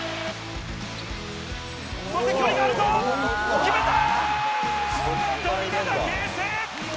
そして距離があるぞ、決めた！